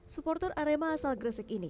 supporter arema asal gresik ini